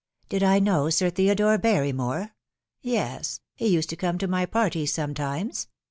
"Did I know Sir Theodore Barrymore ? Yes ; he used to come to my parties sometimes.